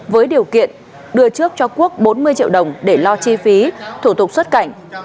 với điều kiện đưa trước cho quốc bốn mươi triệu đồng để lo chi phí thủ tục xuất cảnh